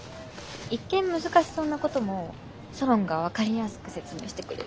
一見難しそうなこともソロンが分かりやすく説明してくれるし。